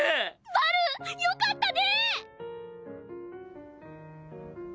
バルよかったね！